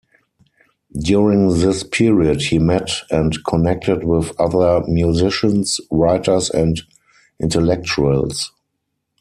During this period, he met and connected with other musicians, writers and intellectuals.